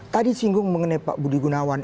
tadi singgung mengenai pak budi gunawan